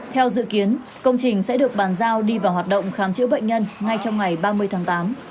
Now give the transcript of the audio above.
theo dự kiến công trình sẽ được bàn giao đi vào hoạt động khám chữa bệnh nhân ngay trong ngày ba mươi tháng tám